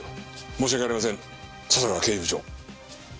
申し訳ありません笹川刑事部長。